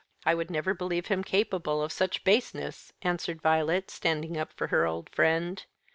I would never believe him capable of such baseness," answered Violet, standing up for her old friend.